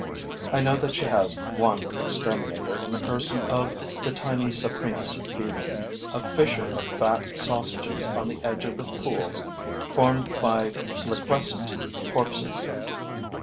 I know that she has one exterminator in the person of the tiny Saprinus beetle, a fisher of fat sausages on the edge of the pools formed by liquescent corpses.